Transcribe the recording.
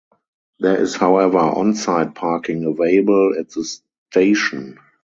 There is however onsite parking available at the station.